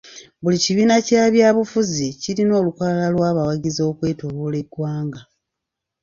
Buli kibiina kya byabufuzi kirina olukalala lw'abawagizi okwetooloola eggwanga.